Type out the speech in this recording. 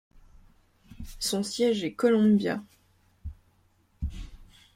Son siège est Columbia.